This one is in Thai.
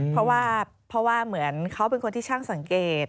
เพราะว่าเหมือนเขาเป็นคนที่ช่างสังเกต